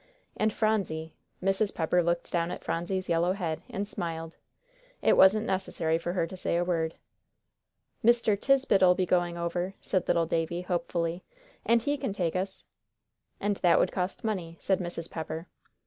And Phronsie " Mrs. Pepper looked down at Phronsie's yellow head, and smiled. It wasn't necessary for her to say a word. "Mr. Tisbett'll be goin' over," said little Davie, hopefully, "an' he can take us." "And that would cost money," said Mrs. Pepper.